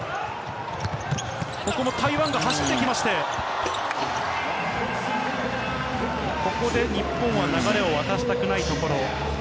ここも台湾が走っていきまして、ここで日本は流れを渡したくないところ。